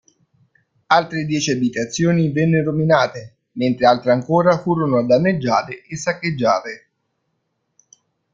Altre dieci abitazioni vennero minate, mentre altre ancora furono danneggiate e saccheggiate.